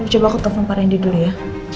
coba aku telfon pak randy dulu ya